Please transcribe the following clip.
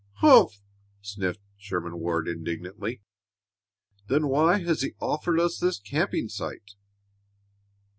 "Humph!" sniffed Sherman Ward, indignantly. "Then why has he offered us this camping site?"